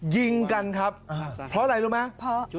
ยิงกันครับเพราะอะไรรู้ไหม